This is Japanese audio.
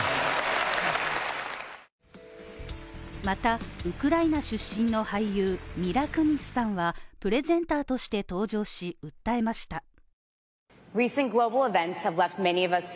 またウクライナ出身の俳優、ミラ・クニスさんはプレゼンターとして登場し、訴えました。